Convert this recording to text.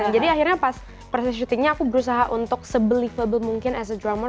jadi akhirnya pas proses syutingnya aku berusaha untuk se believable mungkin as a drummer